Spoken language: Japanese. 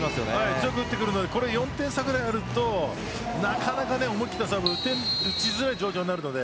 強く打ってくるので４点差くらいあるとなかなか思い切ったサーブが打てなくなるので。